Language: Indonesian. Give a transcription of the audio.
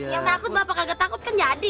yang takut bapak kagak takut kan jadi